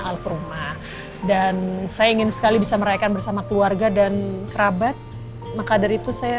al krumah dan saya ingin sekali bisa meraihkan bersama keluarga dan kerabat makadar itu saya